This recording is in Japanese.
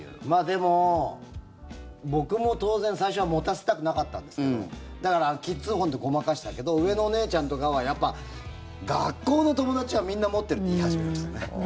でも僕も当然、最初は持たせたくなかったんですけどだからキッズフォンでごまかしたけど上のお姉ちゃんとかはやっぱ学校の友達はみんな持ってるって言い始めるんですよね。